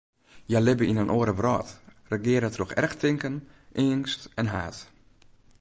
Hja libbe yn in oare wrâld, regearre troch erchtinken, eangst en haat.